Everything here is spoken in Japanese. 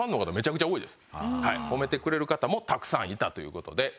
褒めてくれる方もたくさんいたという事で。